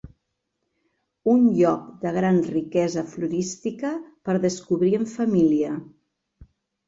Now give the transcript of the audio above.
Un lloc de gran riquesa florística per descobrir en família.